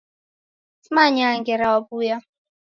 Simanyaa ngera wawuya